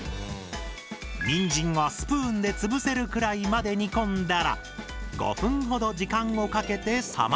にんじんがスプーンでつぶせるくらいまで煮込んだら５分ほど時間をかけて冷ます！